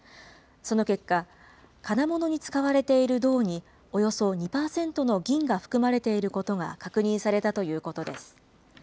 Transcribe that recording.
その結果、金物に使われている銅におよそ２％の銀が含まれていることが確認されたということです。